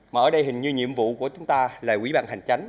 mà ở đây hình như nhiệm vụ của chúng ta là quỹ ban hành chánh